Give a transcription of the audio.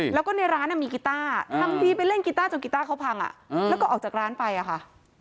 แล้วก็ในร้านมีกีต้าทำทีไปเล่นกีต้าจนกีต้าเขาพังแล้วก็ออกจากร้านไปอะค่ะ